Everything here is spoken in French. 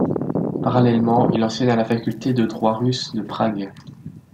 Parallèlement, il enseigne à la faculté de droit russe de Prague.